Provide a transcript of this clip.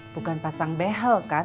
bukan pasang behel kan